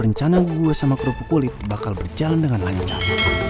rencana gue sama kerupuk kulit bakal berjalan dengan lancar